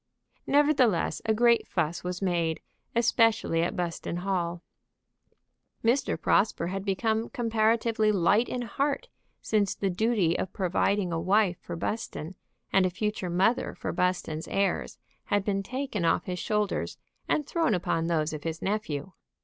Nevertheless, a great fuss was made, especially at Buston Hall. Mr. Prosper had become comparatively light in heart since the duty of providing a wife for Buston, and a future mother for Buston's heirs, had been taken off his shoulders and thrown upon those of his nephew.